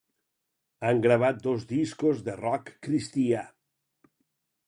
Han gravat dos discos de rock cristià.